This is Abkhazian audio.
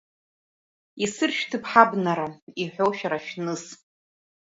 Исыршәҭып ҳабнара, иҳәо шәара шәныс.